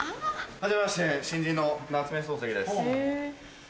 はじめまして新人の夏目漱石です。